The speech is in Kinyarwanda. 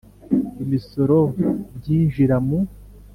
Imisoro ku byinjira mu